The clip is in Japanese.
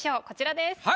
こちらです。